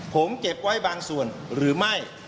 ผมเก็บไว้บางส่วนหรือไม่